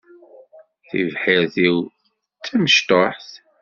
Tibḥirt-iw d tamecṭuḥt.